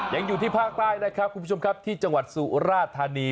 ยังอยู่ที่ภาคใต้นะครับคุณผู้ชมครับที่จังหวัดสุราธานี